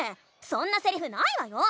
そんなセリフないわよ！